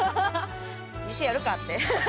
店やるかって。